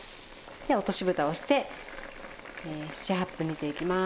で落とし蓋をして７８分煮ていきます。